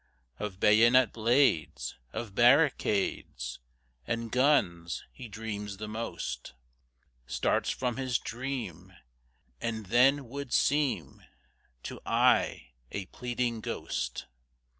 Of bayonet blades, Of barricades, And guns he dreams the most; Starts from his dream, And then would seem To eye a pleading ghost.